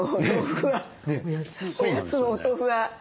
おやつのお豆腐は。